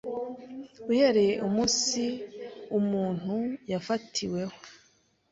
uhereye umunsi umuntu yafatiweho